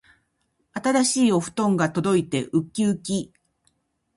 新しいお布団が届いてうっきうき